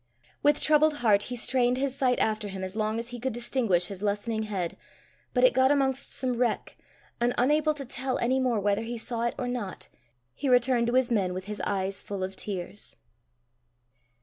With troubled heart he strained his sight after him as long as he could distinguish his lessening head, but it got amongst some wreck, and unable to tell any more whether he saw it or not, he returned to his men with his eyes full of tears.